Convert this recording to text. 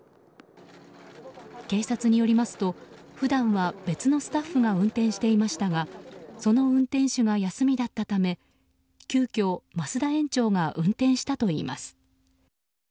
警察によりますと普段は別のスタッフが運転していましたがその運転手が休みだったため急きょ、増田園長が運転したといいます。